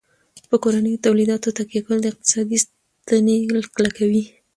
په کورنیو تولیداتو تکیه کول د اقتصاد ستنې کلکوي.